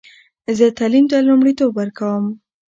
زه تعلیم ته لومړیتوب ورکوم.